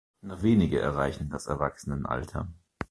Nur wenige erreichen das Erwachsenenalter.